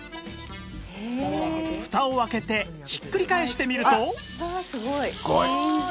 フタを開けてひっくり返してみると